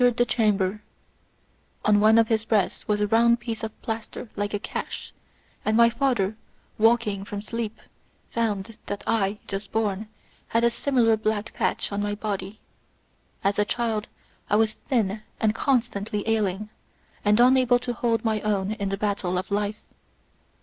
Xxi was a round piece of plaster like a cash ; 23 and my father, waking from sleep, found that I, just born, had a similar black patch on my body. As a child, I was thin and constantly ailing, and unable to hold my own in the battle of life.